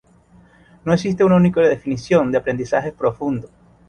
No existe una única definición de aprendizaje profundo.